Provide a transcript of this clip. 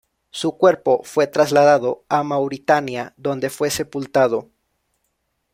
Su cuerpo fue trasladado a Mauritania, donde fue sepultado.